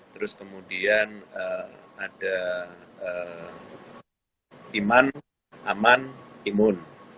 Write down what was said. terus kemudian ada iman aman imun